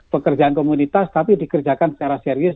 pekerjaan komunitas tapi dikerjakan secara serius